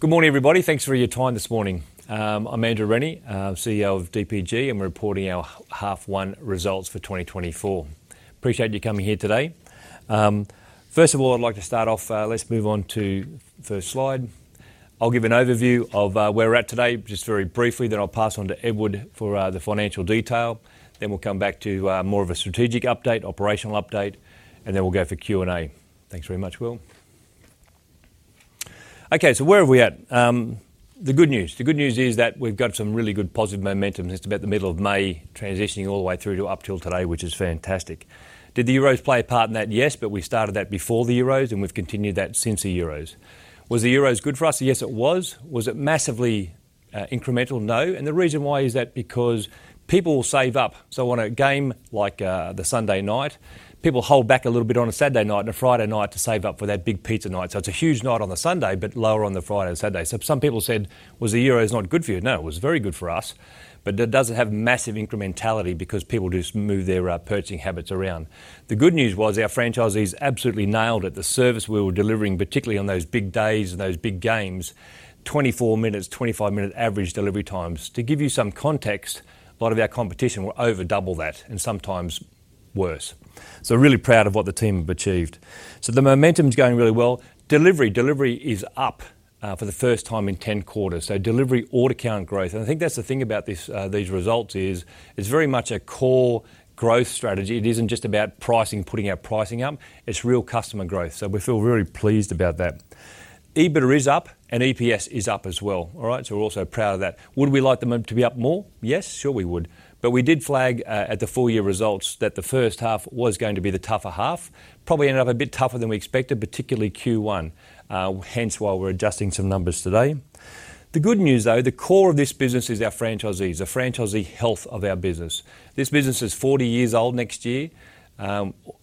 Good morning, everybody. Thanks for your time this morning. I'm Andrew Rennie, CEO of DPG, and we're reporting our Half 1 results for 2024. Appreciate you coming here today. First of all, I'd like to start off. Let's move on to the first slide. I'll give an overview of where we're at today, just very briefly. Then I'll pass on to Edward for the financial detail. Then we'll come back to more of a strategic update, operational update, and then we'll go for Q&A. Thanks very much, Will. Okay, so where are we at? The good news is that we've got some really good positive momentum. It's about the middle of May, transitioning all the way through to up till today, which is fantastic. Did the Euros play a part in that? Yes, but we started that before the Euros, and we've continued that since the Euros. Was the Euros good for us? Yes, it was. Was it massively incremental? No. And the reason why is that because people will save up. So on a game like the Sunday night, people hold back a little bit on a Saturday night and a Friday night to save up for that big pizza night. So it's a huge night on the Sunday, but lower on the Friday and Saturday. So some people said, "Was the Euros not good for you?" No, it was very good for us, but it doesn't have massive incrementality because people just move their purchasing habits around. The good news was our franchisees absolutely nailed it. The service we were delivering, particularly on those big days and those big games, 24 minutes, 25-minute average delivery times. To give you some context, a lot of our competition were over double that and sometimes worse. So really proud of what the team have achieved. So the momentum's going really well. Delivery is up for the first time in 10 quarters. So delivery order count growth. And I think that's the thing about these results is it's very much a core growth strategy. It isn't just about pricing, putting our pricing up. It's real customer growth. So we feel really pleased about that. EBITDA is up and EPS is up as well. All right, so we're also proud of that. Would we like them to be up more? Yes, sure we would. But we did flag at the full year results that the first half was going to be the tougher half. Probably ended up a bit tougher than we expected, particularly Q1. Hence why we're adjusting some numbers today. The good news, though, the core of this business is our franchisees, the franchisee health of our business. This business is 40 years old next year,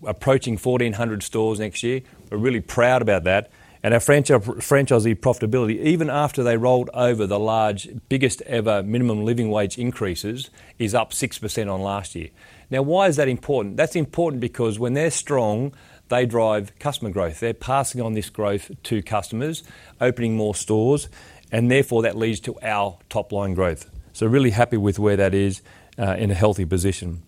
approaching 1,400 stores next year. We're really proud about that. And our franchisee profitability, even after they rolled over the large, biggest ever minimum living wage increases, is up 6% on last year. Now, why is that important? That's important because when they're strong, they drive customer growth. They're passing on this growth to customers, opening more stores, and therefore that leads to our top-line growth. So really happy with where that is in a healthy position.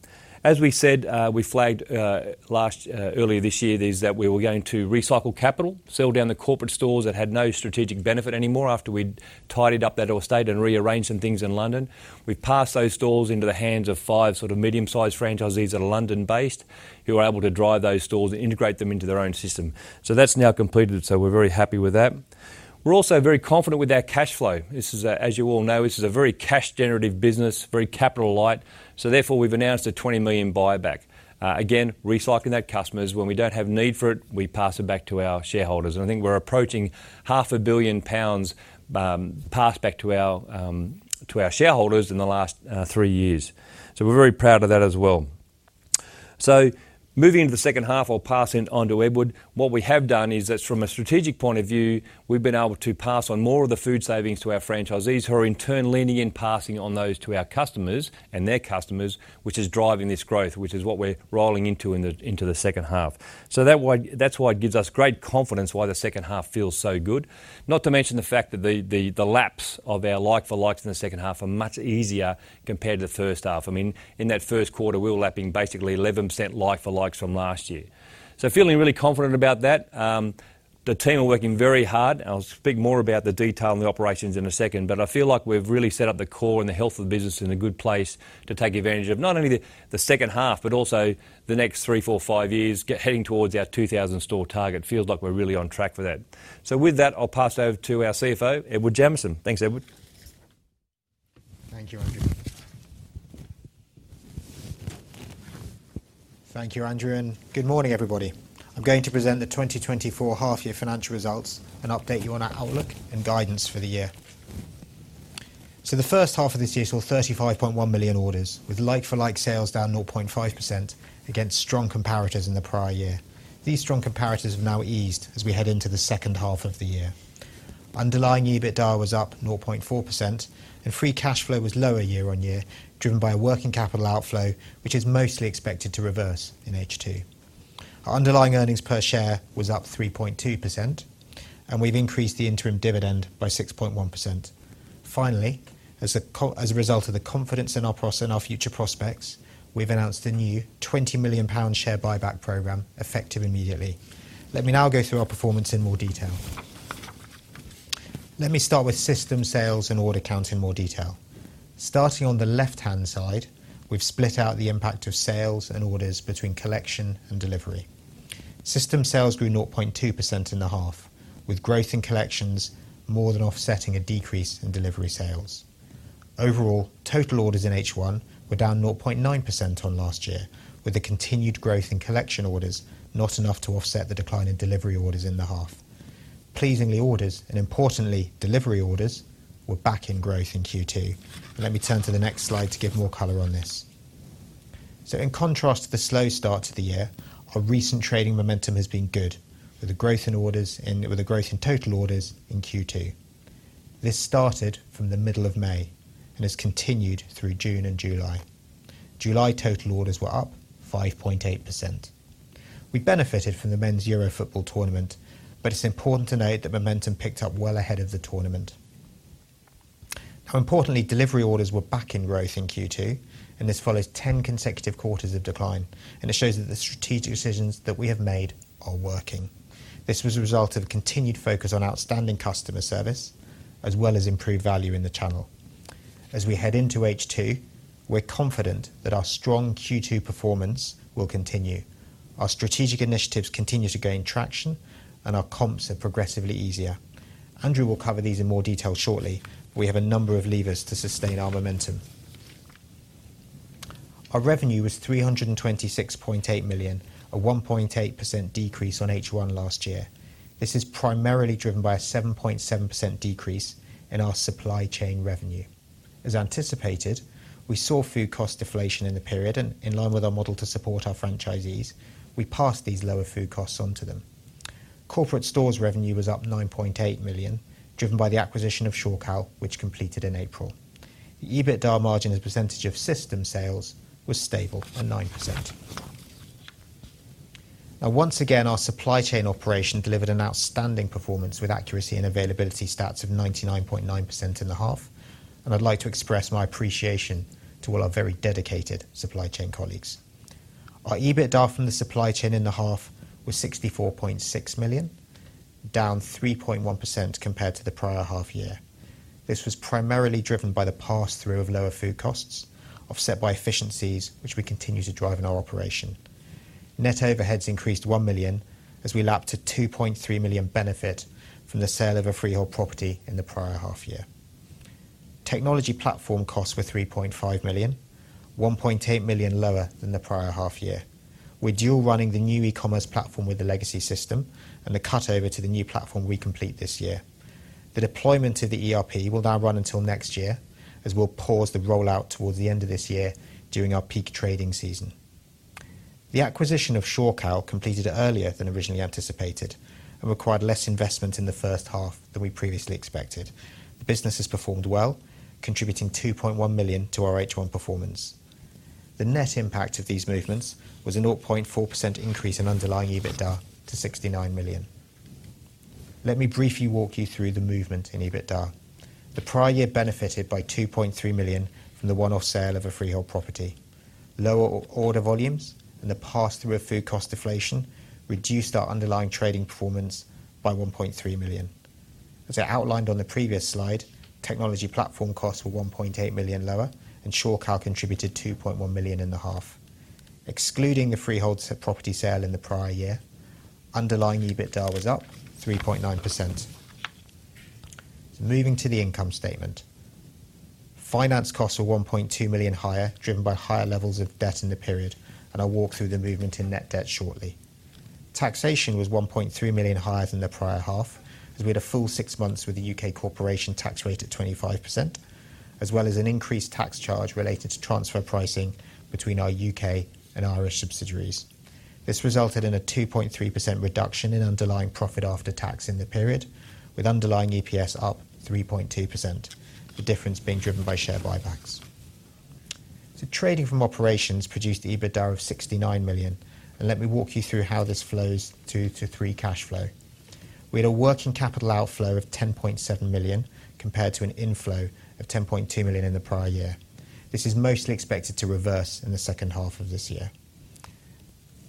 As we said, we flagged earlier this year that we were going to recycle capital, sell down the corporate stores that had no strategic benefit anymore after we tied it up that all stayed and rearranged some things in London. We've passed those stores into the hands of five sort of medium-sized franchisees that are London-based who are able to drive those stores and integrate them into their own system. So that's now completed. So we're very happy with that. We're also very confident with our cash flow. As you all know, this is a very cash-generative business, very capital-light. So therefore we've announced a 20 million buyback. Again, recycling that customers. When we don't have need for it, we pass it back to our shareholders. And I think we're approaching 500 million pounds passed back to our shareholders in the last three years. So we're very proud of that as well. So moving into the second half, I'll pass on to Edward. What we have done is that from a strategic point of view, we've been able to pass on more of the food savings to our franchisees who are in turn leaning in, passing on those to our customers and their customers, which is driving this growth, which is what we're rolling into the second half. So that's why it gives us great confidence, why the second half feels so good. Not to mention the fact that the laps of our like-for-likes in the second half are much easier compared to the first half. I mean, in that first quarter, we were lapping basically 11% like-for-likes from last year. So feeling really confident about that. The team are working very hard. I'll speak more about the detail and the operations in a second, but I feel like we've really set up the core and the health of the business in a good place to take advantage of not only the second half, but also the next 3, 4, 5 years heading towards our 2,000 store target. Feels like we're really on track for that. So with that, I'll pass over to our CFO, Edward Jamieson. Thanks, Edward. Thank you, Andrew. Thank you, Andrew. Good morning, everybody. I'm going to present the 2024 half-year financial results and update you on our outlook and guidance for the year. So the first half of this year saw 35.1 million orders, with like-for-like sales down 0.5% against strong comparators in the prior year. These strong comparators have now eased as we head into the second half of the year. Underlying EBITDA was up 0.4%, and free cash flow was lower year-on-year, driven by a working capital outflow, which is mostly expected to reverse in H2. Our underlying earnings per share was up 3.2%, and we've increased the interim dividend by 6.1%. Finally, as a result of the confidence in our future prospects, we've announced a new 20 million pound share buyback program effective immediately. Let me now go through our performance in more detail. Let me start with system sales and order count in more detail. Starting on the left-hand side, we've split out the impact of sales and orders between collection and delivery. System sales grew 0.2% in the half, with growth in collections more than offsetting a decrease in delivery sales. Overall, total orders in H1 were down 0.9% on last year, with the continued growth in collection orders not enough to offset the decline in delivery orders in the half. Pleasingly, orders, and importantly, delivery orders were back in growth in Q2. Let me turn to the next slide to give more color on this. So in contrast to the slow start to the year, our recent trading momentum has been good, with a growth in orders and with a growth in total orders in Q2. This started from the middle of May and has continued through June and July. July total orders were up 5.8%. We benefited from the men's Euro football tournament, but it's important to note that momentum picked up well ahead of the tournament. Now, importantly, delivery orders were back in growth in Q2, and this follows 10 consecutive quarters of decline. It shows that the strategic decisions that we have made are working. This was a result of continued focus on outstanding customer service as well as improved value in the channel. As we head into H2, we're confident that our strong Q2 performance will continue. Our strategic initiatives continue to gain traction, and our comps are progressively easier. Andrew will cover these in more detail shortly, but we have a number of levers to sustain our momentum. Our revenue was 326.8 million, a 1.8% decrease on H1 last year. This is primarily driven by a 7.7% decrease in our supply chain revenue. As anticipated, we saw food cost deflation in the period, and in line with our model to support our franchisees, we passed these lower food costs on to them. Corporate Stores revenue was up 9.8 million, driven by the acquisition of Shorecal, which completed in April. The EBITDA margin as a percentage of System Sales was stable at 9%. Now, once again, our supply chain operation delivered an outstanding performance with accuracy and availability stats of 99.9% in the half. I'd like to express my appreciation to all our very dedicated supply chain colleagues. Our EBITDA from the supply chain in the half was 64.6 million, down 3.1% compared to the prior half year. This was primarily driven by the pass-through of lower food costs offset by efficiencies, which we continue to drive in our operation. Net overheads increased 1 million as we lapped a 2.3 million benefit from the sale of a freehold property in the prior half year. Technology platform costs were 3.5 million, 1.8 million lower than the prior half year. We're dual-running the new e-commerce platform with the legacy system and the cutover to the new platform we complete this year. The deployment of the ERP will now run until next year, as we'll pause the rollout towards the end of this year during our peak trading season. The acquisition of Shorecal completed earlier than originally anticipated and required less investment in the first half than we previously expected. The business has performed well, contributing 2.1 million to our H1 performance. The net impact of these movements was a 0.4% increase in underlying EBITDA to 69 million. Let me briefly walk you through the movement in EBITDA. The prior year benefited by 2.3 million from the one-off sale of a freehold property. Lower order volumes and the pass-through of food cost deflation reduced our underlying trading performance by 1.3 million. As I outlined on the previous slide, technology platform costs were 1.8 million lower, and Shorecal contributed 2.1 million in the half. Excluding the freehold property sale in the prior year, underlying EBITDA was up 3.9%. Moving to the income statement. Finance costs were 1.2 million higher, driven by higher levels of debt in the period. I'll walk through the movement in net debt shortly. Taxation was 1.3 million higher than the prior half, as we had a full six months with the U.K. corporation tax rate at 25%, as well as an increased tax charge related to transfer pricing between our U.K. and Irish subsidiaries. This resulted in a 2.3% reduction in underlying profit after tax in the period, with underlying EPS up 3.2%, the difference being driven by share buybacks. So trading from operations produced EBITDA of 69 million. And let me walk you through how this flows to free cash flow. We had a working capital outflow of 10.7 million compared to an inflow of 10.2 million in the prior year. This is mostly expected to reverse in the second half of this year.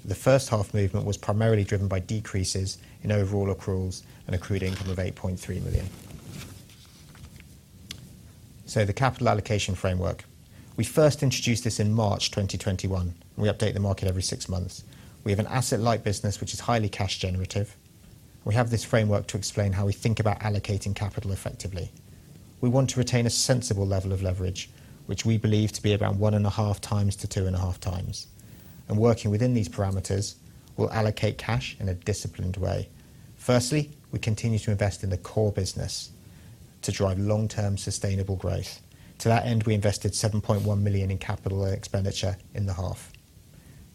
The first half movement was primarily driven by decreases in overall accruals and accrued income of 8.3 million. So the capital allocation framework. We first introduced this in March 2021. We update the market every six months. We have an asset-light business, which is highly cash-generative. We have this framework to explain how we think about allocating capital effectively. We want to retain a sensible level of leverage, which we believe to be around 1.5-2.5x. Working within these parameters, we'll allocate cash in a disciplined way. Firstly, we continue to invest in the core business to drive long-term sustainable growth. To that end, we invested 7.1 million in capital expenditure in the half.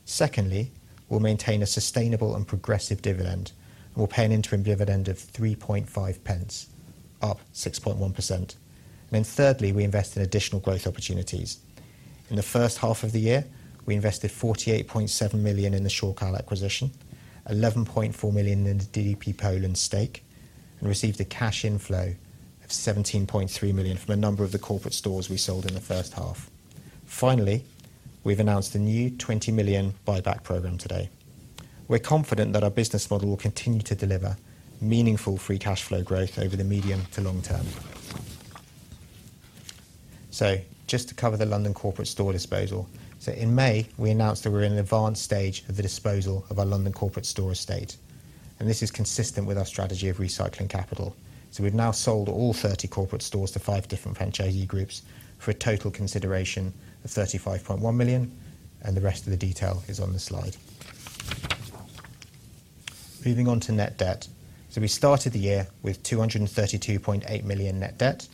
Secondly, we'll maintain a sustainable and progressive dividend, and we'll pay an interim dividend of 3.5 pence, up 6.1%. Thirdly, we invest in additional growth opportunities. In the first half of the year, we invested 48.7 million in the Shorecal acquisition, 11.4 million in the DP Poland stake, and received a cash inflow of 17.3 million from a number of the corporate stores we sold in the first half. Finally, we've announced a new 20 million buyback program today. We're confident that our business model will continue to deliver meaningful free cash flow growth over the medium to long term. So just to cover the London corporate store disposal. In May, we announced that we're in an advanced stage of the disposal of our London corporate store estate. This is consistent with our strategy of recycling capital. We've now sold all 30 corporate stores to 5 different franchisee groups for a total consideration of 35.1 million, and the rest of the detail is on the slide. Moving on to net debt. We started the year with 232.8 million net debt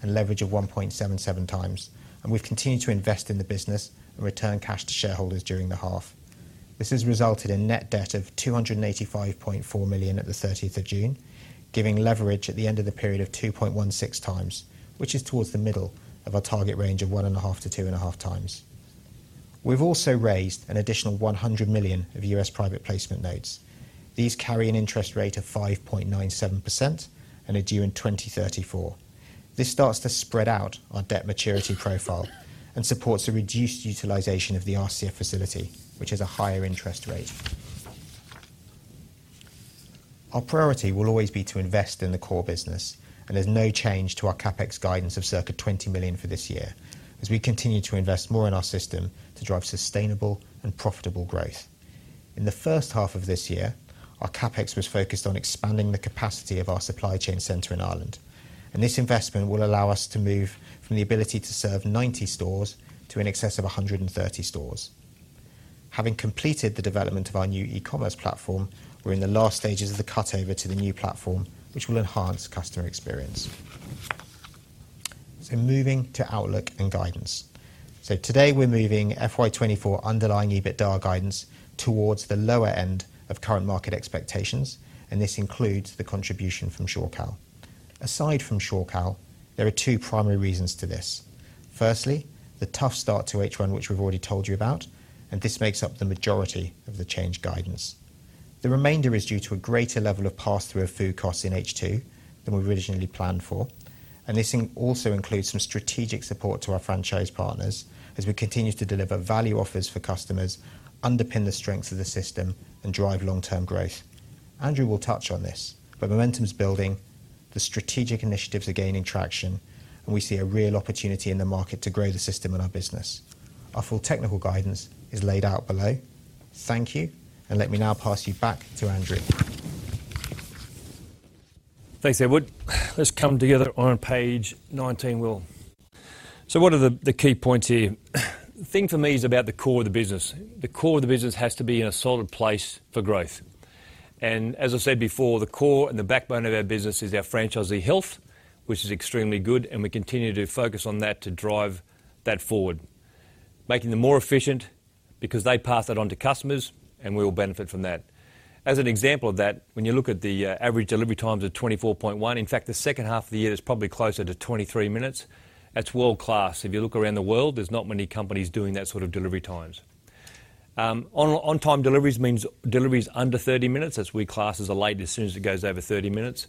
and leverage of 1.77x. We've continued to invest in the business and return cash to shareholders during the half. This has resulted in net debt of 285.4 million at the 30th of June, giving leverage at the end of the period of 2.16x, which is towards the middle of our target range of 1.5-2.5x. We've also raised an additional $100 million of US Private Placement Notes. These carry an interest rate of 5.97% and are due in 2034. This starts to spread out our debt maturity profile and supports a reduced utilization of the RCF facility, which has a higher interest rate. Our priority will always be to invest in the core business, and there's no change to our CapEx guidance of circa 20 million for this year, as we continue to invest more in our system to drive sustainable and profitable growth. In the first half of this year, our CapEx was focused on expanding the capacity of our supply chain center in Ireland. This investment will allow us to move from the ability to serve 90 stores to in excess of 130 stores. Having completed the development of our new e-commerce platform, we're in the last stages of the cutover to the new platform, which will enhance customer experience. Moving to outlook and guidance. Today, we're moving FY24 underlying EBITDA guidance towards the lower end of current market expectations, and this includes the contribution from Shorecal. Aside from Shorecal, there are two primary reasons to this. Firstly, the tough start to H1, which we've already told you about, and this makes up the majority of the change guidance. The remainder is due to a greater level of pass-through of food costs in H2 than we originally planned for. This also includes some strategic support to our franchise partners, as we continue to deliver value offers for customers, underpin the strengths of the system, and drive long-term growth. Andrew will touch on this, but momentum's building, the strategic initiatives are gaining traction, and we see a real opportunity in the market to grow the system in our business. Our full technical guidance is laid out below. Thank you, and let me now pass you back to Andrew. Thanks, Edward. Let's come together on page 19, Will. So what are the key points here? The thing for me is about the core of the business. The core of the business has to be in a solid place for growth. As I said before, the core and the backbone of our business is our franchisee health, which is extremely good, and we continue to focus on that to drive that forward, making them more efficient because they pass that on to customers, and we will benefit from that. As an example of that, when you look at the average delivery times of 24.1, in fact, the second half of the year is probably closer to 23 minutes. That's world-class. If you look around the world, there's not many companies doing that sort of delivery times. On-time deliveries means deliveries under 30 minutes, as we class as a late as soon as it goes over 30 minutes.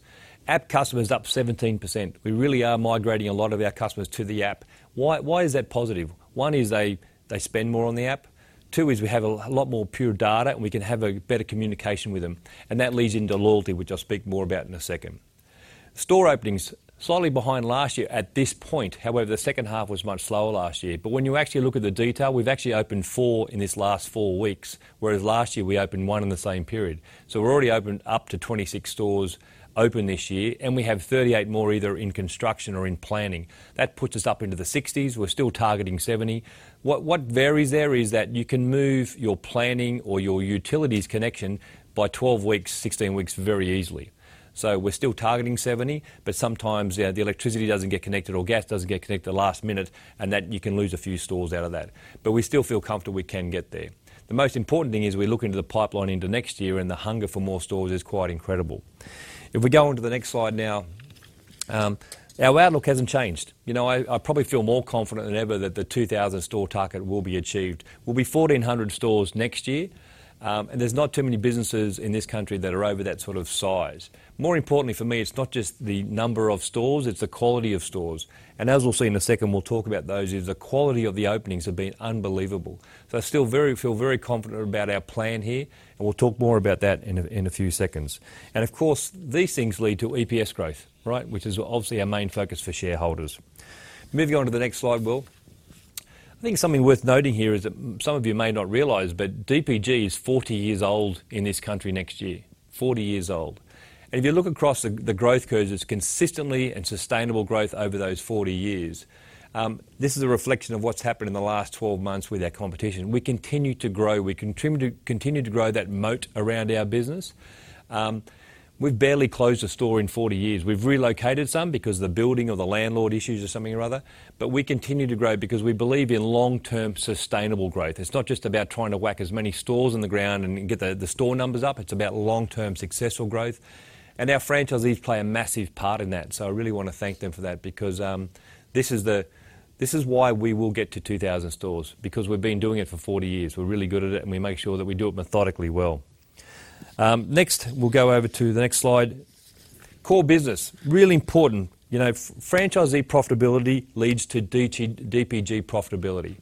App customers up 17%. We really are migrating a lot of our customers to the app. Why is that positive? One is they spend more on the app. Two is we have a lot more pure data, and we can have a better communication with them. And that leads into loyalty, which I'll speak more about in a second. Store openings slightly behind last year at this point. However, the second half was much slower last year. But when you actually look at the detail, we've actually opened 4 in this last 4 weeks, whereas last year we opened 1 in the same period. So we're already opened up to 26 stores open this year, and we have 38 more either in construction or in planning. That puts us up into the 60s. We're still targeting 70. What varies there is that you can move your planning or your utilities connection by 12 weeks, 16 weeks very easily. So we're still targeting 70, but sometimes the electricity doesn't get connected or gas doesn't get connected last minute, and that you can lose a few stores out of that. But we still feel comfortable we can get there. The most important thing is we're looking to the pipeline into next year, and the hunger for more stores is quite incredible. If we go on to the next slide now, our outlook hasn't changed. I probably feel more confident than ever that the 2,000-store target will be achieved. We'll be 1,400 stores next year, and there's not too many businesses in this country that are over that sort of size. More importantly for me, it's not just the number of stores, it's the quality of stores. And as we'll see in a second, we'll talk about those, is the quality of the openings have been unbelievable. So I still feel very confident about our plan here, and we'll talk more about that in a few seconds. And of course, these things lead to EPS growth, which is obviously our main focus for shareholders. Moving on to the next slide, Will. I think something worth noting here is that some of you may not realize, but DPG is 40 years old in this country next year. 40 years old. And if you look across the growth curves, it's consistently and sustainable growth over those 40 years. This is a reflection of what's happened in the last 12 months with our competition. We continue to grow. We continue to grow that moat around our business. We've barely closed a store in 40 years. We've relocated some because of the building or the landlord issues or something or other. But we continue to grow because we believe in long-term sustainable growth. It's not just about trying to whack as many stores in the ground and get the store numbers up. It's about long-term successful growth. And our franchisees play a massive part in that. So I really want to thank them for that because this is why we will get to 2,000 stores because we've been doing it for 40 years. We're really good at it, and we make sure that we do it methodically well. Next, we'll go over to the next slide. Core business. Really important. Franchisee profitability leads to DPG profitability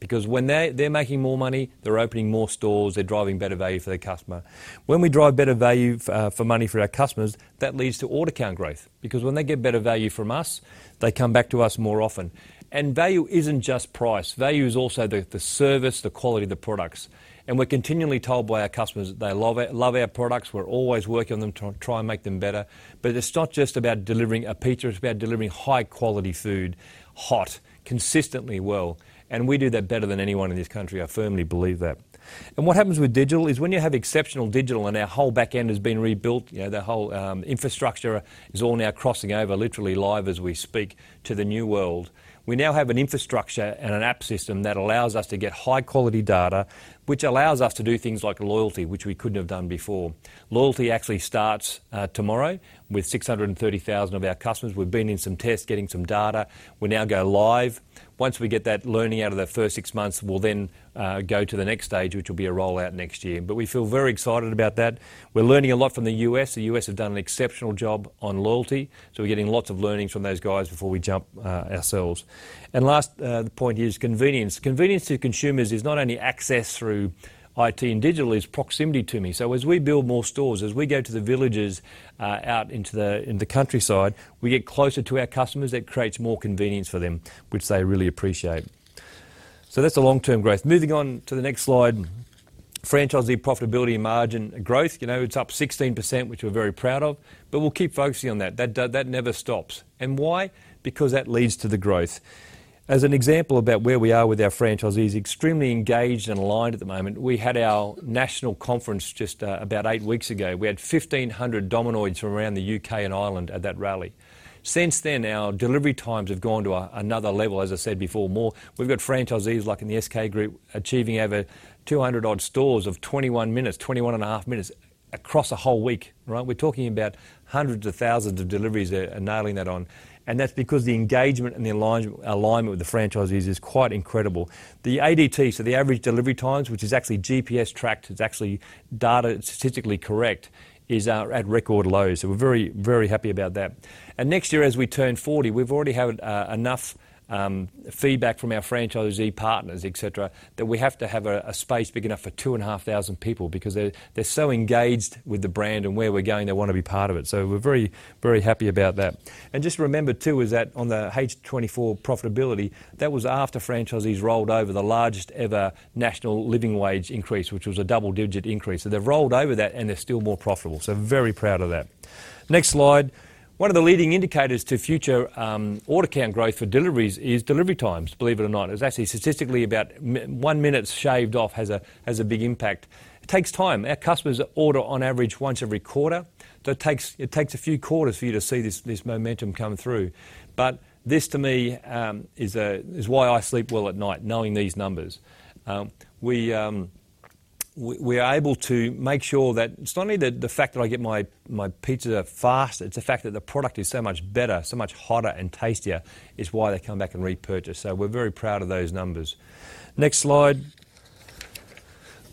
because when they're making more money, they're opening more stores, they're driving better value for their customer. When we drive better value for money for our customers, that leads to order count growth because when they get better value from us, they come back to us more often. Value isn't just price. Value is also the service, the quality of the products. We're continually told by our customers that they love our products. We're always working on them to try and make them better. But it's not just about delivering a pizza. It's about delivering high-quality food, hot, consistently well. We do that better than anyone in this country. I firmly believe that. What happens with digital is when you have exceptional digital and our whole backend has been rebuilt, the whole infrastructure is all now crossing over literally live as we speak to the new world. We now have an infrastructure and an app system that allows us to get high-quality data, which allows us to do things like loyalty, which we couldn't have done before. Loyalty actually starts tomorrow with 630,000 of our customers. We've been in some tests, getting some data. We now go live. Once we get that learning out of the first six months, we'll then go to the next stage, which will be a rollout next year. But we feel very excited about that. We're learning a lot from the U.S. The U.S. have done an exceptional job on loyalty. So we're getting lots of learnings from those guys before we jump ourselves. Last point is convenience. Convenience to consumers is not only access through IT and digital, it's proximity to me. So as we build more stores, as we go to the villages out into the countryside, we get closer to our customers. That creates more convenience for them, which they really appreciate. So that's the long-term growth. Moving on to the next slide. Franchisee profitability margin growth. It's up 16%, which we're very proud of. But we'll keep focusing on that. That never stops. And why? Because that leads to the growth. As an example about where we are with our franchisees, extremely engaged and aligned at the moment. We had our national conference just about eight weeks ago. We had 1,500 Dominoids from around the U.K. and Ireland at that rally. Since then, our delivery times have gone to another level, as I said before. We've got franchisees like in the SK Group achieving over 200-odd stores of 21 minutes, 21.5 minutes across a whole week. We're talking about hundreds of thousands of deliveries nailing that on. And that's because the engagement and the alignment with the franchisees is quite incredible. The ADT, so the average delivery times, which is actually GPS tracked, it's actually data statistically correct, is at record lows. So we're very, very happy about that. And next year, as we turn 40, we've already had enough feedback from our franchisee partners, etc., that we have to have a space big enough for 2,500 people because they're so engaged with the brand and where we're going, they want to be part of it. So we're very, very happy about that. And just remember too is that on the H24 profitability, that was after franchisees rolled over the largest ever national living wage increase, which was a double-digit increase. So they've rolled over that and they're still more profitable. So very proud of that. Next slide. One of the leading indicators to future order count growth for deliveries is delivery times, believe it or not. It's actually statistically about 1 minute shaved off has a big impact. It takes time. Our customers order on average once every quarter. It takes a few quarters for you to see this momentum come through. But this to me is why I sleep well at night, knowing these numbers. We are able to make sure that it's not only the fact that I get my pizza fast, it's the fact that the product is so much better, so much hotter and tastier is why they come back and repurchase. So we're very proud of those numbers. Next slide.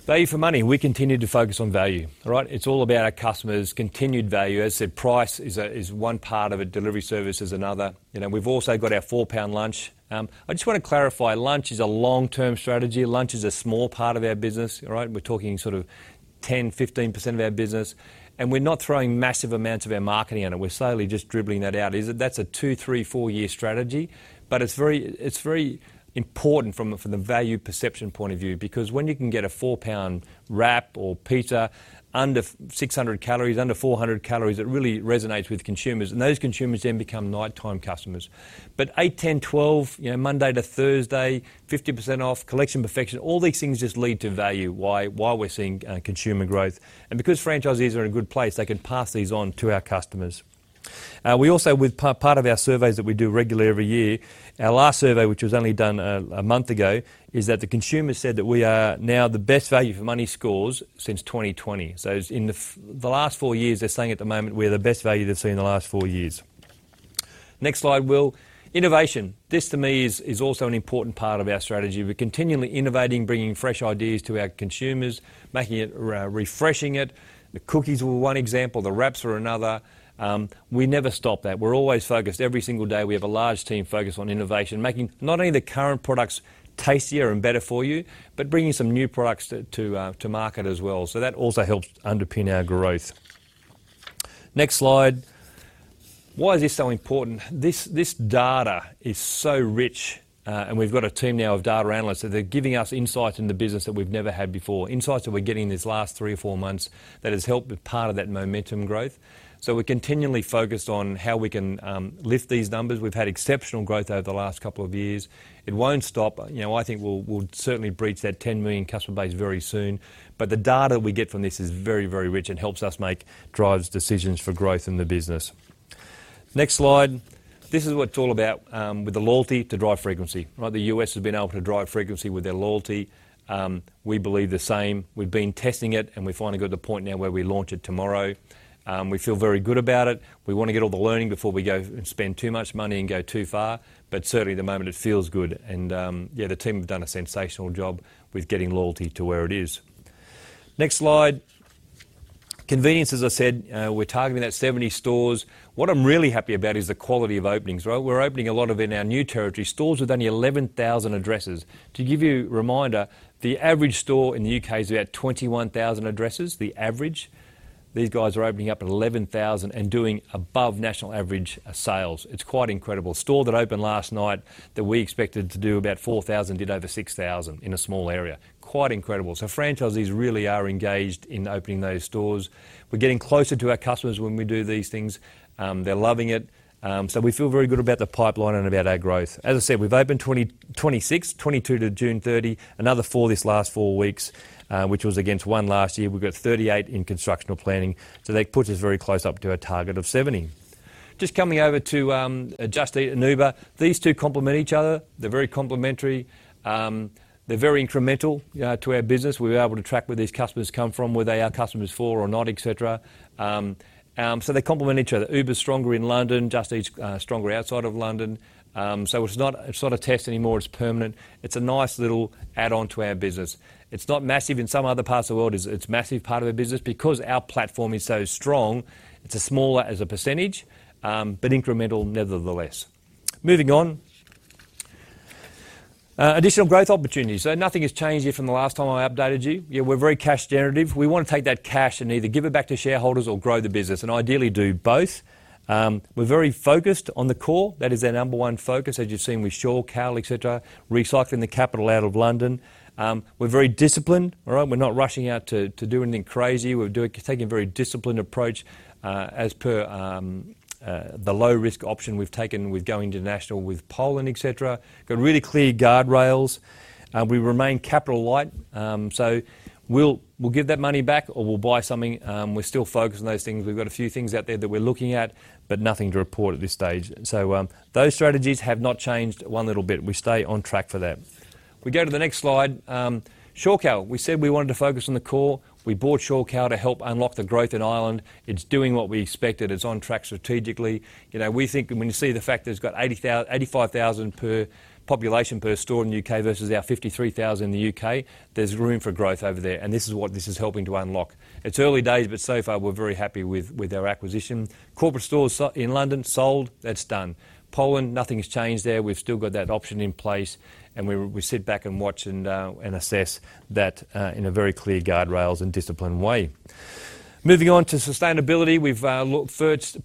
Value for money. We continue to focus on value. It's all about our customers, continued value. As I said, price is one part of it. Delivery service is another. We've also got our GBP 4 Lunch. I just want to clarify. Lunch is a long-term strategy. Lunch is a small part of our business. We're talking sort of 10%-15% of our business. And we're not throwing massive amounts of our marketing on it. We're slowly just dribbling that out. That's a 2-, 3-, 4-year strategy. 4 pound wrap or pizza under 600 calories, under 400 calories, it really resonates with consumers. And those consumers then become nighttime customers. But 8, 10, 12, Monday to Thursday, 50% off, Collection Perfection, all these things just lead to value, why we're seeing consumer growth. And because franchisees are in a good place, they can pass these on to our customers. We also, with part of our surveys that we do regularly every year, our last survey, which was only done a month ago, is that the consumer said that we are now the best value for money scores since 2020. So in the last four years, they're saying at the moment we are the best value they've seen in the last four years. Next slide, Will. Innovation. This to me is also an important part of our strategy. We're continually innovating, bringing fresh ideas to our consumers, making it refreshing, it. The cookies were one example. The wraps were another. We never stop that. We're always focused. Every single day, we have a large team focused on innovation, making not only the current products tastier and better for you, but bringing some new products to market as well. So that also helps underpin our growth. Next slide. Why is this so important? This data is so rich, and we've got a team now of data analysts that they're giving us insights in the business that we've never had before. Insights that we're getting these last three or four months that has helped be part of that momentum growth. So we're continually focused on how we can lift these numbers. We've had exceptional growth over the last couple of years. It won't stop. I think we'll certainly breach that 10 million customer base very soon. But the data we get from this is very, very rich and helps us make data-driven decisions for growth in the business. Next slide. This is what it's all about with the loyalty to drive frequency. The U.S. has been able to drive frequency with their loyalty. We believe the same. We've been testing it, and we've finally got to the point now where we launch it tomorrow. We feel very good about it. We want to get all the learning before we go and spend too much money and go too far. But certainly, at the moment, it feels good. And yeah, the team have done a sensational job with getting loyalty to where it is. Next slide. Convenience, as I said, we're targeting that 70 stores. What I'm really happy about is the quality of openings. We're opening a lot of in our new territory, stores with only 11,000 addresses. To give you a reminder, the average store in the U.K. is about 21,000 addresses, the average. These guys are opening up 11,000 and doing above national average sales. It's quite incredible. Store that opened last night that we expected to do about 4,000 did over 6,000 in a small area. Quite incredible. So franchisees really are engaged in opening those stores. We're getting closer to our customers when we do these things. They're loving it. So we feel very good about the pipeline and about our growth. As I said, we've opened 26, 22 to June 30, another four this last four weeks, which was against one last year. We've got 38 in constructional planning. So that puts us very close up to our target of 70. Just coming over to Just Eat and Uber. These two complement each other. They're very complementary. They're very incremental to our business. We're able to track where these customers come from, whether they are customers for or not, etc. So they complement each other. Uber's stronger in London. Just Eat's stronger outside of London. So it's not a test anymore. It's permanent. It's a nice little add-on to our business. It's not massive in some other parts of the world. It's a massive part of our business because our platform is so strong. It's a smaller as a %, but incremental nevertheless. Moving on. Additional growth opportunities. So nothing has changed here from the last time I updated you. We're very cash-generative. We want to take that cash and either give it back to shareholders or grow the business. And ideally, do both. We're very focused on the core. That is our number one focus, as you've seen with Shorecal, etc., recycling the capital out of London. We're very disciplined. We're not rushing out to do anything crazy. We're taking a very disciplined approach as per the low-risk option we've taken with going international with Poland, etc. Got really clear guardrails. We remain capital light. So we'll give that money back or we'll buy something. We're still focused on those things. We've got a few things out there that we're looking at, but nothing to report at this stage. So those strategies have not changed one little bit. We stay on track for that. We go to the next slide. Shorecal. We said we wanted to focus on the core. We bought Shorecal to help unlock the growth in Ireland. It's doing what we expected. It's on track strategically. We think when you see the fact that it's got 85,000 per population per store in the U.K. versus our 53,000 in the U.K., there's room for growth over there. And this is what this is helping to unlock. It's early days, but so far, we're very happy with our acquisition. Corporate stores in London, sold. That's done. Poland, nothing has changed there. We've still got that option in place. And we sit back and watch and assess that in a very clear guardrails and disciplined way. Moving on to sustainability. We've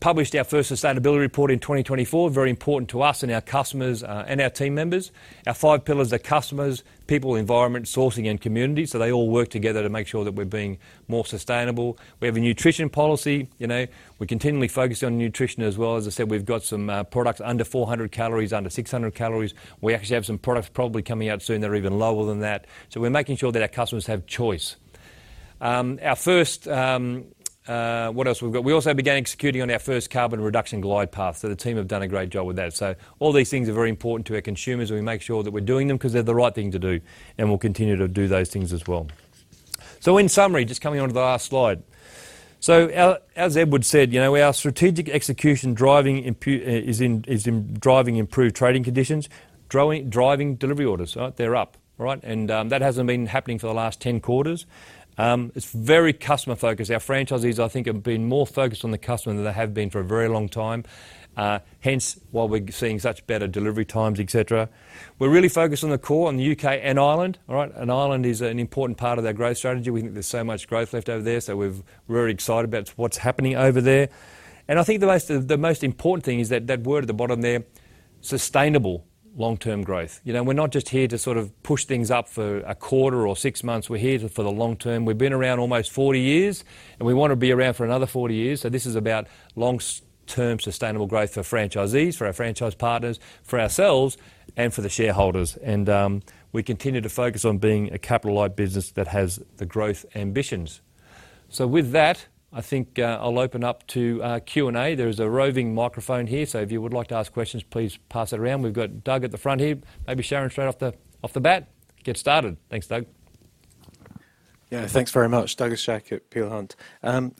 published our first sustainability report in 2024. Very important to us and our customers and our team members. Our five pillars are customers, people, environment, sourcing, and community. So they all work together to make sure that we're being more sustainable. We have a nutrition policy. We're continually focused on nutrition as well. As I said, we've got some products under 400 calories, under 600 calories. We actually have some products probably coming out soon that are even lower than that. So we're making sure that our customers have choice. Our first, what else we've got? We also began executing on our first carbon reduction glide path. So the team have done a great job with that. So all these things are very important to our consumers. We make sure that we're doing them because they're the right thing to do. And we'll continue to do those things as well. So in summary, just coming onto the last slide. So as Edward said, our strategic execution driving improved trading conditions, driving delivery orders. They're up. That hasn't been happening for the last 10 quarters. It's very customer-focused. Our franchisees, I think, have been more focused on the customer than they have been for a very long time. Hence, while we're seeing such better delivery times, etc., we're really focused on the core in the U.K. and Ireland. Ireland is an important part of our growth strategy. We think there's so much growth left over there. We're very excited about what's happening over there. I think the most important thing is that word at the bottom there, sustainable long-term growth. We're not just here to sort of push things up for a quarter or six months. We're here for the long term. We've been around almost 40 years, and we want to be around for another 40 years. So this is about long-term sustainable growth for franchisees, for our franchise partners, for ourselves, and for the shareholders. We continue to focus on being a capital-light business that has the growth ambitions. So with that, I think I'll open up to Q&A. There is a roving microphone here. So if you would like to ask questions, please pass it around. We've got Doug at the front here. Maybe Sharon, straight off the bat, get started. Thanks, Doug. Yeah, thanks very much. Douglas Jack at Peel Hunt,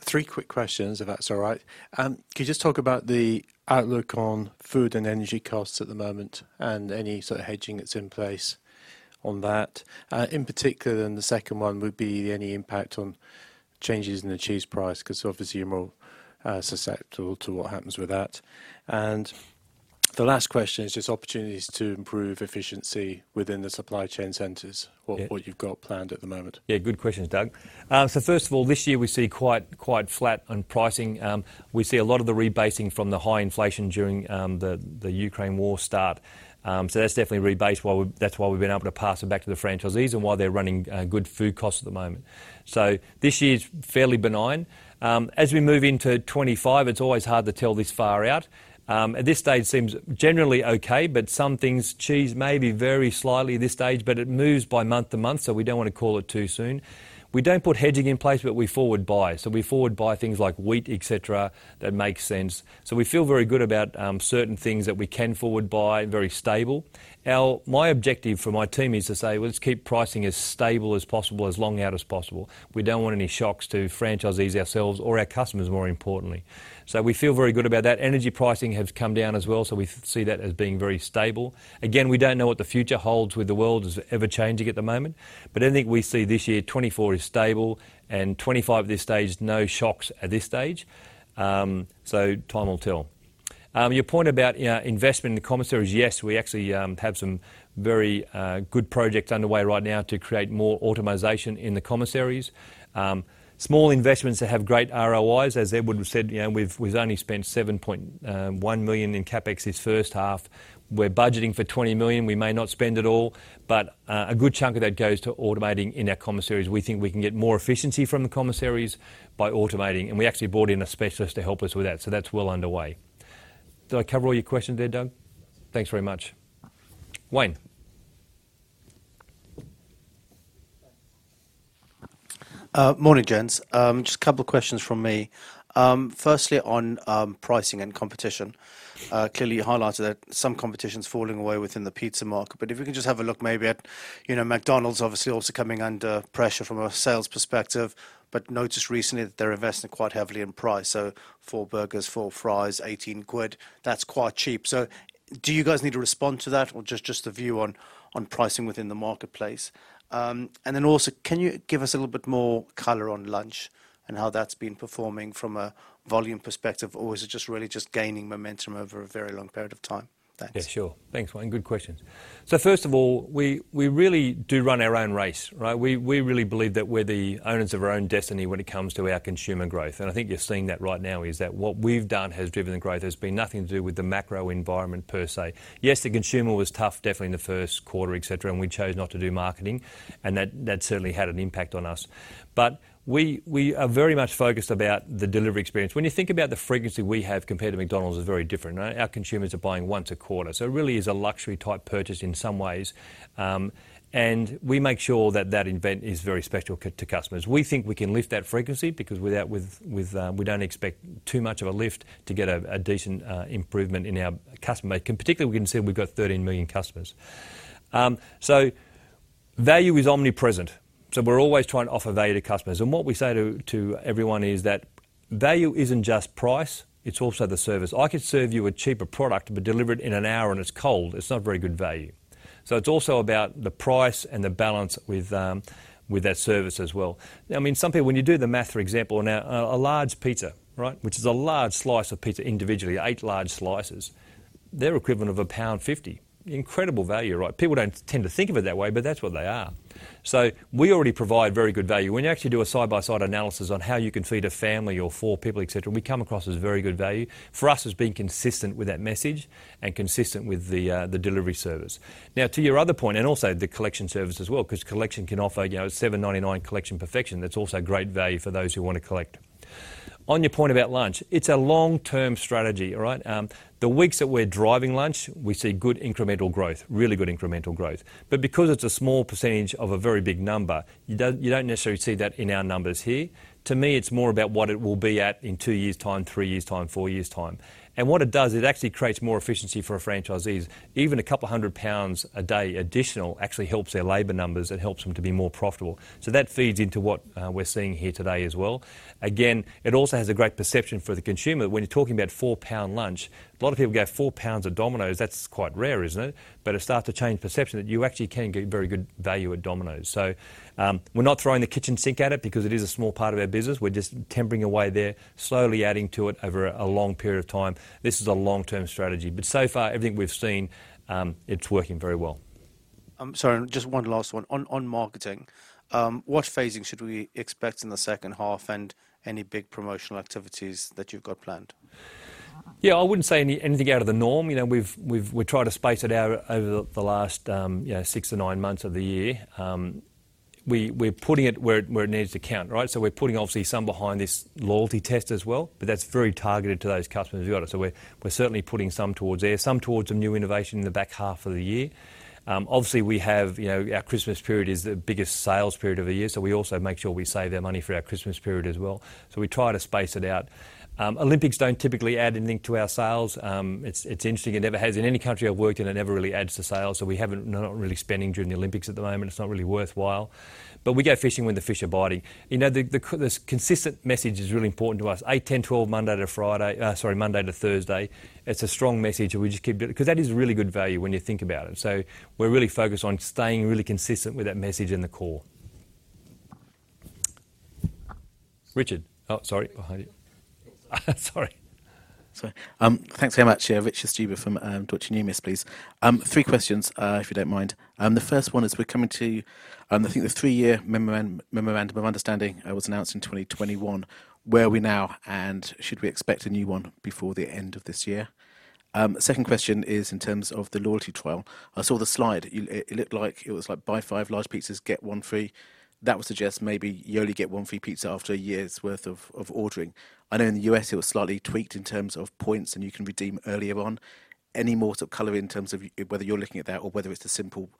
three quick questions, if that's all right. Can you just talk about the outlook on food and energy costs at the moment and any sort of hedging that's in place on that? In particular, then the second one would be any impact on changes in the cheese price because obviously, you're more susceptible to what happens with that. The last question is just opportunities to improve efficiency within the supply chain centers, what you've got planned at the moment. Yeah, good questions, Doug. So first of all, this year, we see quite flat on pricing. We see a lot of the rebasing from the high inflation during the Ukraine war start. So that's definitely rebased. That's why we've been able to pass it back to the franchisees and why they're running good food costs at the moment. So this year's fairly benign. As we move into 2025, it's always hard to tell this far out. At this stage, it seems generally okay, but some things, cheese may be very slightly at this stage, but it moves by month to month, so we don't want to call it too soon. We don't put hedging in place, but we forward buy. So we forward buy things like wheat, etc., that makes sense. So we feel very good about certain things that we can forward buy and very stable. My objective for my team is to say, well, let's keep pricing as stable as possible, as long out as possible. We don't want any shocks to franchisees ourselves or our customers, more importantly. So we feel very good about that. Energy pricing has come down as well, so we see that as being very stable. Again, we don't know what the future holds with the world is ever changing at the moment. But anything we see this year, 2024 is stable and 2025 at this stage, no shocks at this stage. So time will tell. Your point about investment in the commissaries, yes, we actually have some very good projects underway right now to create more automation in the commissaries. Small investments that have great ROIs, as Edward said, we've only spent 7.1 million in CapEx this first half. We're budgeting for 20 million. We may not spend at all, but a good chunk of that goes to automating in our commissaries. We think we can get more efficiency from the commissaries by automating. And we actually brought in a specialist to help us with that. So that's well underway. Did I cover all your questions there, Doug? Thanks very much. Wayne. Morning, gents. Just a couple of questions from me. Firstly, on pricing and competition. Clearly, you highlighted that some competition's falling away within the pizza market. But if you can just have a look maybe at McDonald's, obviously also coming under pressure from a sales perspective, but noticed recently that they're investing quite heavily in price. So four burgers, four fries, 18 quid. That's quite cheap. So do you guys need to respond to that or just the view on pricing within the marketplace? And then also, can you give us a little bit more color on lunch and how that's been performing from a volume perspective, or is it just really just gaining momentum over a very long period of time? Thanks. Yeah, sure. Thanks, Wayne. Good questions. So first of all, we really do run our own race. We really believe that we're the owners of our own destiny when it comes to our consumer growth. And I think you're seeing that right now is that what we've done has driven the growth has been nothing to do with the macro environment per se. Yes, the consumer was tough, definitely in the first quarter, etc., and we chose not to do marketing. And that certainly had an impact on us. But we are very much focused about the delivery experience. When you think about the frequency we have compared to McDonald's, it's very different. Our consumers are buying once a quarter. So it really is a luxury-type purchase in some ways. And we make sure that that event is very special to customers. We think we can lift that frequency because we don't expect too much of a lift to get a decent improvement in our customer base. Particularly, we can see we've got 13 million customers. So value is omnipresent. So we're always trying to offer value to customers. And what we say to everyone is that value isn't just price. It's also the service. I could serve you a cheaper product, but deliver it in an hour and it's cold. It's not very good value. So it's also about the price and the balance with that service as well. I mean, some people, when you do the math, for example, a large pizza, which is a large slice of pizza individually, eight large slices, they're equivalent of 1.50. Incredible value. People don't tend to think of it that way, but that's what they are. So we already provide very good value. When you actually do a side-by-side analysis on how you can feed a family or four people, etc., we come across as very good value. For us, it's been consistent with that message and consistent with the delivery service. Now, to your other point, and also the collection service as well, because collection can offer 7.99 Collection Perfection, that's also great value for those who want to collect. On your point about lunch, it's a long-term strategy. The weeks that we're driving lunch, we see good incremental growth, really good incremental growth. But because it's a small percentage of a very big number, you don't necessarily see that in our numbers here. To me, it's more about what it will be at in two years' time, three years' time, four years' time. And what it does, it actually creates more efficiency for our franchisees. Even a couple of hundred pounds a day additional actually helps their labor numbers. It helps them to be more profitable. So that feeds into what we're seeing here today as well. Again, it also has a great perception for the consumer. When you're talking about 4 pound lunch, a lot of people go 4 pounds at Domino's. That's quite rare, isn't it? But it starts to change perception that you actually can get very good value at Domino's. So we're not throwing the kitchen sink at it because it is a small part of our business. We're just tempering away there, slowly adding to it over a long period of time. This is a long-term strategy. But so far, everything we've seen, it's working very well. Sorry, just one last one. On marketing, what phasing should we expect in the second half and any big promotional activities that you've got planned? Yeah, I wouldn't say anything out of the norm. We've tried to space it out over the last 6-9 months of the year. We're putting it where it needs to count. So we're putting, obviously, some behind this loyalty test as well, but that's very targeted to those customers we've got. So we're certainly putting some towards there, some towards some new innovation in the back half of the year. Obviously, our Christmas period is the biggest sales period of the year. So we also make sure we save our money for our Christmas period as well. So we try to space it out. Olympics don't typically add anything to our sales. It's interesting. It never has. In any country I've worked in, it never really adds to sales. So we're not really spending during the Olympics at the moment. It's not really worthwhile. But we go fishing when the fish are biting. The consistent message is really important to us. 8, 10, 12, Monday to Friday, sorry, Monday to Thursday. It's a strong message that we just keep because that is really good value when you think about it. So we're really focused on staying really consistent with that message in the core. Richard, oh, sorry. Sorry. Thanks very much. Richard Stuber from Deutsche Numis, please. Three questions, if you don't mind. The first one is we're coming to, I think, the three-year memorandum of understanding was announced in 2021. Where are we now? And should we expect a new one before the end of this year? Second question is in terms of the loyalty trial. I saw the slide. It looked like it was like buy five large pizzas, get one free. That would suggest maybe you only get one free pizza after a year's worth of ordering. I know in the U.S., it was slightly tweaked in terms of points and you can redeem earlier on. Any more sort of color in terms of whether you're looking at that or whether it's the simple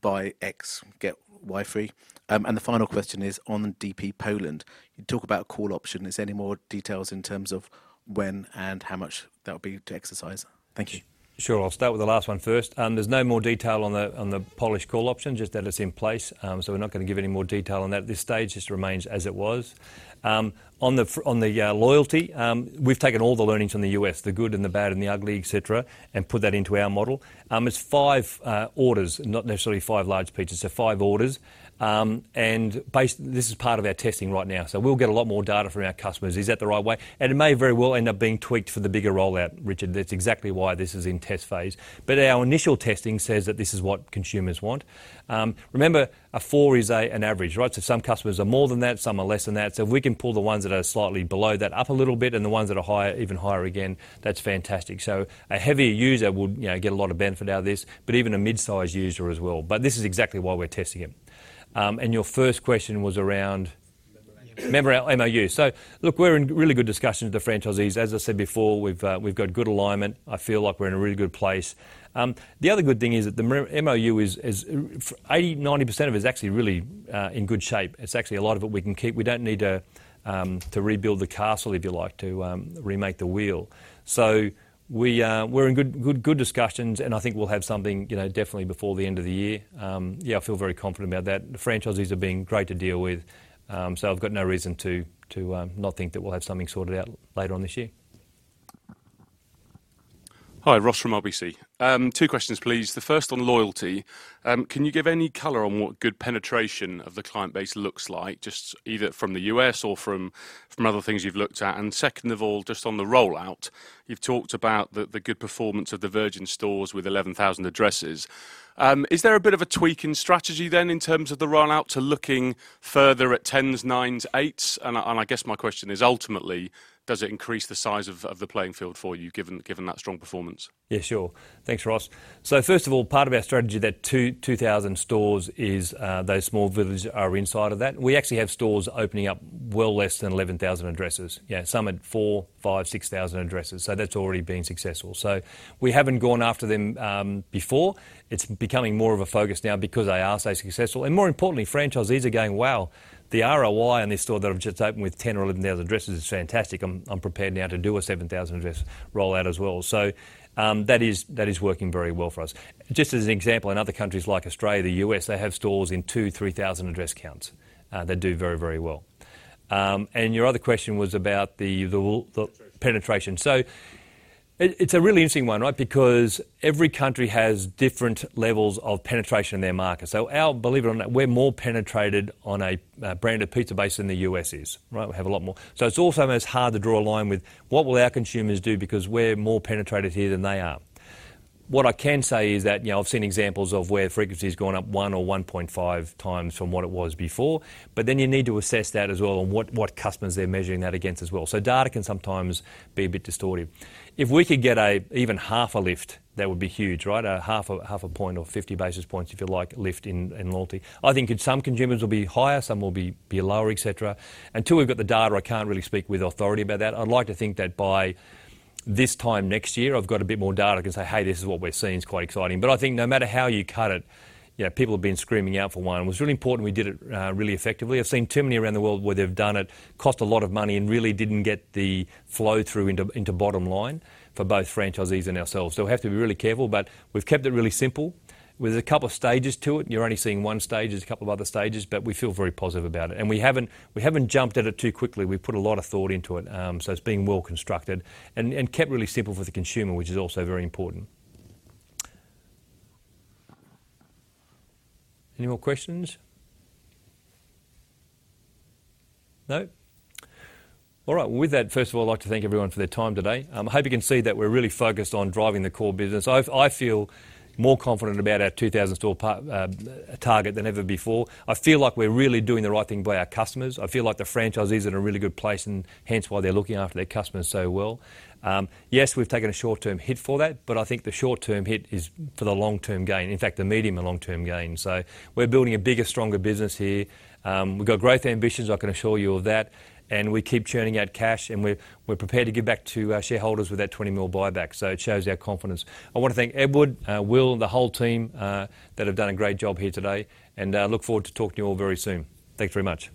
buy X, get Y free? And the final question is on DP Poland. You talk about a call option. Is there any more details in terms of when and how much that would be to exercise? Thank you. Sure. I'll start with the last one first. There's no more detail on the Polish call option, just that it's in place. So we're not going to give any more detail on that at this stage. It just remains as it was. On the loyalty, we've taken all the learnings from the U.S., the good and the bad and the ugly, etc., and put that into our model. It's five orders, not necessarily five large pizzas, so five orders. And this is part of our testing right now. So we'll get a lot more data from our customers. Is that the right way? And it may very well end up being tweaked for the bigger rollout, Richard. That's exactly why this is in test phase. But our initial testing says that this is what consumers want. Remember, a four is an average, right? So some customers are more than that, some are less than that. So we can pull the ones that are slightly below that up a little bit, and the ones that are higher, even higher again, that's fantastic. So a heavier user would get a lot of benefit out of this, but even a mid-sized user as well. But this is exactly why we're testing it. And your first question was around MOU. So look, we're in really good discussions with the franchisees. As I said before, we've got good alignment. I feel like we're in a really good place. The other good thing is that the MOU is 80%-90% of it is actually really in good shape. It's actually a lot of it we can keep. We don't need to rebuild the castle, if you like, to remake the wheel. So we're in good discussions, and I think we'll have something definitely before the end of the year. Yeah, I feel very confident about that. The franchisees are being great to deal with. So I've got no reason to not think that we'll have something sorted out later on this year. Hi, Ross from RBC. Two questions, please. The first on loyalty. Can you give any color on what good penetration of the client base looks like, just either from the U.S. or from other things you've looked at? And second of all, just on the rollout, you've talked about the good performance of the Village stores with 11,000 addresses. Is there a bit of a tweak in strategy then in terms of the rollout to looking further at 10s, 9s, 8s? And I guess my question is ultimately, does it increase the size of the playing field for you given that strong performance? Yeah, sure. Thanks, Ross. So first of all, part of our strategy that 2,000 stores is those small villages are inside of that. We actually have stores opening up well less than 11,000 addresses. Yeah, some at 4, 5, 6,000 addresses. So that's already been successful. So we haven't gone after them before. It's becoming more of a focus now because they are so successful. And more importantly, franchisees are going, wow, the ROI on this store that have just opened with 10 or 11,000 addresses is fantastic. I'm prepared now to do a 7,000-address rollout as well. So that is working very well for us. Just as an example, in other countries like Australia, the U.S., they have stores in 2,000, 3,000-address counts. They do very, very well. Your other question was about the penetration. It's a really interesting one, right? Because every country has different levels of penetration in their market. So believe it or not, we're more penetrated on a branded pizza base than the U.S. is. We have a lot more. So it's also most hard to draw a line with what will our consumers do because we're more penetrated here than they are. What I can say is that I've seen examples of where frequency has gone up 1 or 1.5x from what it was before. Then you need to assess that as well and what customers they're measuring that against as well. Data can sometimes be a bit distorted. If we could get even half a lift, that would be huge, right? 0.5 point or 50 basis points, if you like, lift in loyalty. I think some consumers will be higher, some will be lower, etc. Until we've got the data, I can't really speak with authority about that. I'd like to think that by this time next year, I've got a bit more data to say, hey, this is what we're seeing. It's quite exciting. But I think no matter how you cut it, people have been screaming out for one. It was really important we did it really effectively. I've seen too many around the world where they've done it, cost a lot of money, and really didn't get the flow through into bottom line for both franchisees and ourselves. So we have to be really careful, but we've kept it really simple. There's a couple of stages to it. You're only seeing one stage, there's a couple of other stages, but we feel very positive about it. And we haven't jumped at it too quickly. We've put a lot of thought into it. So it's being well constructed and kept really simple for the consumer, which is also very important. Any more questions? No? All right. With that, first of all, I'd like to thank everyone for their time today. I hope you can see that we're really focused on driving the core business. I feel more confident about our 2,000-store target than ever before. I feel like we're really doing the right thing by our customers. I feel like the franchisees are in a really good place, and hence why they're looking after their customers so well. Yes, we've taken a short-term hit for that, but I think the short-term hit is for the long-term gain. In fact, the medium and long-term gain. So we're building a bigger, stronger business here. We've got growth ambitions, I can assure you of that. And we keep churning out cash, and we're prepared to give back to our shareholders with that 20 million buyback. So it shows our confidence. I want to thank Edward, Will, the whole team that have done a great job here today. And I look forward to talking to you all very soon. Thanks very much.